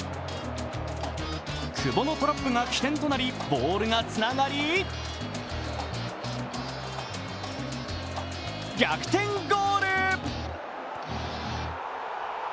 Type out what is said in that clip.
久保のトラップが起点となりボールがつながり逆転ゴール！